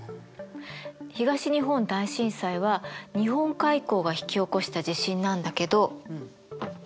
東日本大震災は日本海溝が引き起こした地震なんだけど。